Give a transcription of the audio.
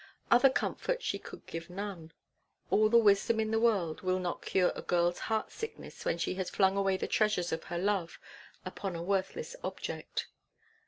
Other comfort, she could give none. All the wisdom in the world will not cure a girl's heart sickness when she has flung away the treasures of her love upon a worthless object.